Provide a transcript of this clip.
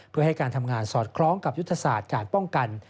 เพื่อให้การทำงานสอดคล้องกับยุทธศาสตร์การป้องกัน